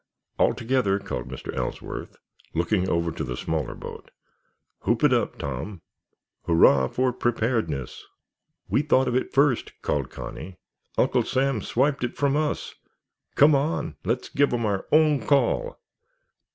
"Altogether!" called Mr. Ellsworth, looking over to the smaller boat. "Hoop it up, Tom! Hurrah for Preparedness!" "We thought of it first," called Connie. "Uncle Sam swiped it from us. Come on, let's give 'em our own call!"